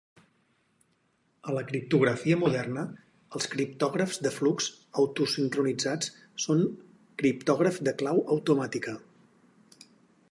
A la criptografia moderna, els criptògrafs de flux autosincronitzats són criptògraf de clau automàtica.